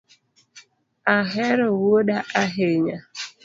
Ahero wuoda ahinya?